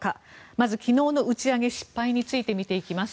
まず、昨日の打ち上げ失敗を見ていきます。